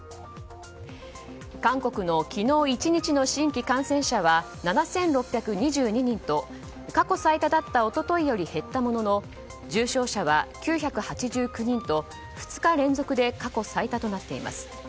韓国の昨日１日の新規感染者は７６２２人と過去最多だった一昨日より減ったものの重症者は９８９人と２日連続で過去最多となっています。